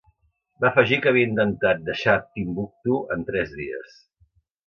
Va afegir que havia intentar deixar Timbuktu en tres dies.